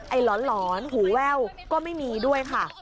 หลอนหูแว่วก็ไม่มีด้วยค่ะ